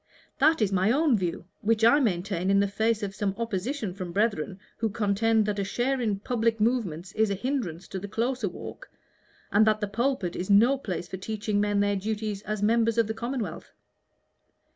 "That is my own view, which I maintain in the face of some opposition from brethren who contend that a share in public movements is a hindrance to the closer walk, and that the pulpit is no place for teaching men their duties as members of the commonwealth.